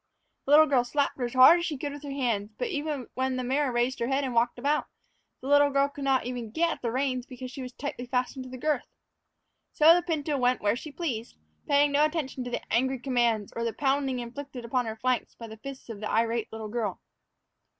The little girl slapped her as hard as she could with her hands; but, even when the mare raised her head and walked about, the little girl could not get at the reins because she was tightly fastened to the girth. So the pinto went where she pleased, paying no attention to angry commands, or to the pounding inflicted upon her flanks by the fists of the irate little girl.